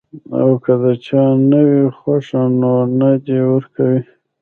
او کۀ د چا نۀ وي خوښه نو نۀ دې ورکوي -